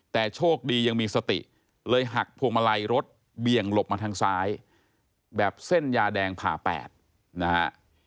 แต่โชคดียังมีสติเลยหักพวงมาลัยรถเบี่ยงหลบมาทางซ้ายแบบเส้นยาแดงผ่า๘นะฮะ